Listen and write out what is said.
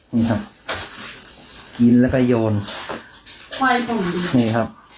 นี่ครับกินแล้วก็โยนไหว้ผมอีกนี่ครับ